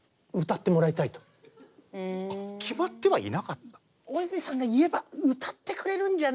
決まってはいなかった？